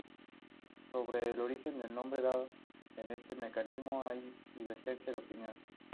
Sobre el origen del nombre dado a este mecanismo hay divergencia de opiniones.